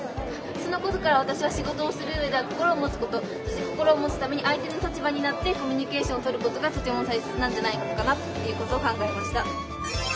そのことからわたしは仕事をする上で心を持つことそして心を持つために相手の立場になってコミュニケーションを取ることがとてもたいせつなんじゃないかなということを考えました。